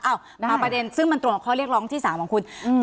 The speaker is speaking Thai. เอามาประเด็นซึ่งมันตรงกับข้อเรียกร้องที่๓ของคุณ